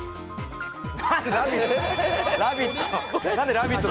ラヴィット？